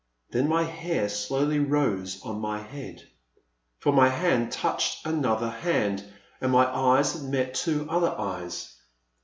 Then my hair slowly rose on my head. For my hand touched another hand, and my eyes had met two other eyes.